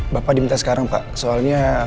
bapak diminta sekarang pak soalnya